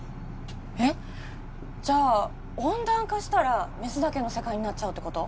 えっじゃあ温暖化したらメスだけの世界になっちゃうってこと？